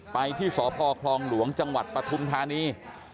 ไปที่สพคลองหลวงจังหวัดปฐุมธานี